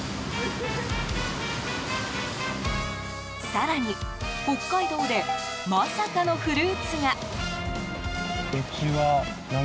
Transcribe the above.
更に北海道でまさかのフルーツが。